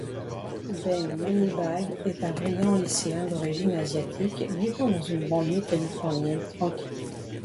Ben Manibag est un brillant lycéen d'origine asiatique vivant dans une banlieue californienne tranquille.